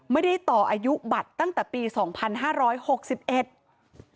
ไม่ได้ต่ออายุบัตรตั้งแต่ปี๒๐๐๐ไม่ได้ต่ออายุบัตรตั้งแต่ปี